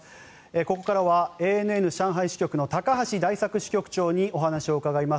ここからはＡＮＮ上海支局の高橋大作支局長にお話を伺います。